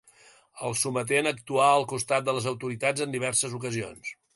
El sometent actuà al costat de les autoritats en diverses ocasions.